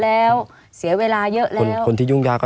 ไม่มีครับไม่มีครับ